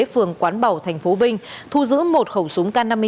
phường quán bảo thành phố vinh thu giữ một khẩu súng k năm mươi chín